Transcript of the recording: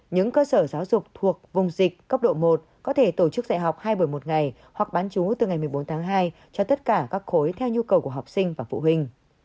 những cơ sở giáo dục thuộc vùng dịch cấp độ một có thể tổ chức dạy học hai buổi một ngày hoặc bán chú từ ngày một mươi bốn tháng hai cho tất cả các khối theo nhu cầu của học sinh và phụ huynh